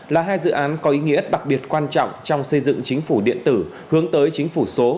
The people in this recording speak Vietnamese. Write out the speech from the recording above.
là hai dự án có ý nghĩa đặc biệt quan trọng trong xây dựng chính phủ điện tử hướng tới chính phủ số